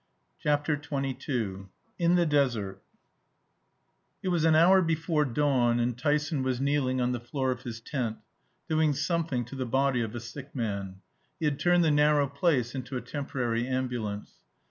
CHAPTER XXII IN THE DESERT It was an hour before dawn, and Tyson was kneeling on the floor of his tent, doing something to the body of a sick man. He had turned the narrow place into a temporary ambulance.